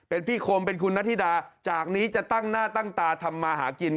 เป็นพี่คมเป็นคุณนาธิดาจากนี้จะตั้งหน้าตั้งตาทำมาหากิน